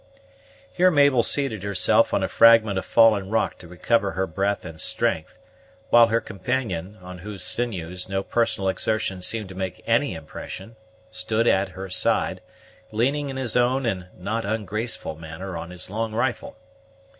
Here Mabel seated herself on a fragment of fallen rock to recover her breath and strength, while her companion, on whose sinews no personal exertion seemed to make any impression, stood at her side, leaning in his own and not ungraceful manner on his long rifle.